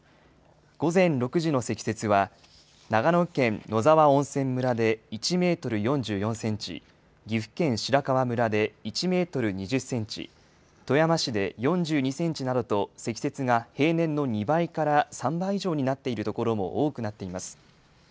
午前６時の積雪は、長野県野沢温泉村で１メートル４４センチ、岐阜県白川村で１メートル２０センチ、富山市で４２センチなどと、積雪が平年の２倍から３倍以上になっている所も多くなっています。